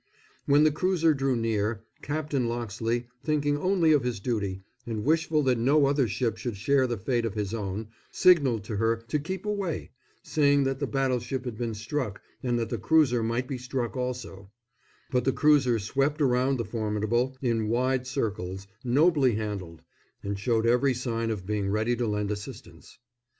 When the cruiser drew near, Captain Loxley, thinking only of his duty, and wishful that no other ship should share the fate of his own, signalled to her to keep away, saying that the battleship had been struck and that the cruiser might be struck also; but the cruiser swept around the Formidable in wide circles, nobly handled, and showed every sign of being ready to lend assistance.